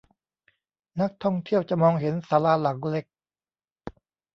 นักท่องเที่ยวจะมองเห็นศาลาหลังเล็ก